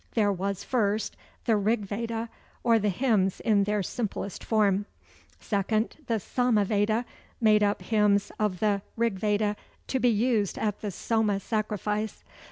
There was, first, the Rig Veda, or the hymns in their simplest form. Second, the Sama Veda, made up of hymns of the Rig Veda to be used at the Soma sacrifice.